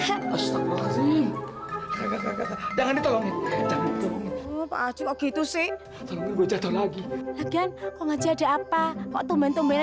aduh eh astaghfirullahaladzim jangan ditolong jangan gitu sih lagi ada apa kok tumben tumben